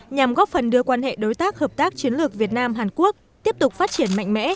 nhằm góp phần đưa quan hệ đối tác hợp tác chiến lược việt nam hàn quốc tiếp tục phát triển mạnh mẽ